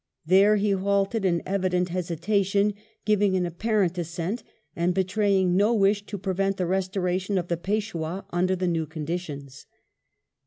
There he halted in evident hesitation, giving an apparent assent, and betraying no wish to prevent the restoration of the Peishwah under the new conditions.